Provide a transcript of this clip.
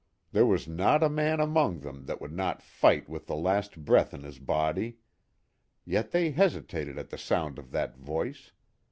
There was not a man among them that would not fight with the last breath in his body. Yet they hesitated at the sound of that voice.